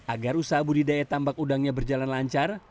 agar usaha budidaya tambak udangnya berjalan lancar